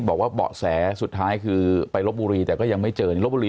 บอกว่าเบาะแสสุดท้ายคือไปลบบุรีแต่ก็ยังไม่เจอนี่ลบบุรี